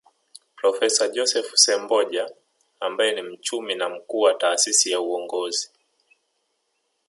Profesa Joseph Semboja ambaye ni mchumi na mkuu wa Taasisi ya Uongozi